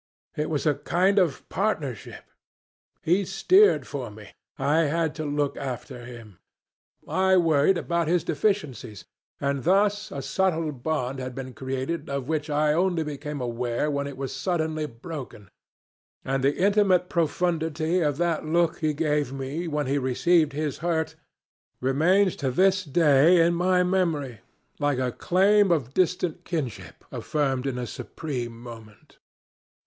It was a kind of partnership. He steered for me I had to look after him, I worried about his deficiencies, and thus a subtle bond had been created, of which I only became aware when it was suddenly broken. And the intimate profundity of that look he gave me when he received his hurt remains to this day in my memory like a claim of distant kinship affirmed in a supreme moment.